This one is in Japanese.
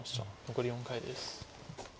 残り４回です。